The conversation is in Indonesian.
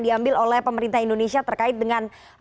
diambil oleh pemerintah indonesia terkait dengan